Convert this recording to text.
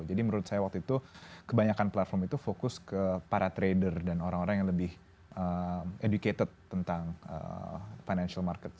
jadi menurut saya waktu itu kebanyakan platform itu fokus ke para trader dan orang orang yang lebih educated tentang financial market